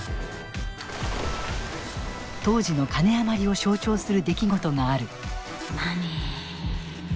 当時の金余りを象徴する出来事がある。